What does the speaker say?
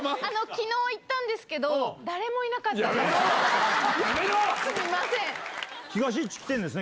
きのう行ったんですけど、誰もいなかったです。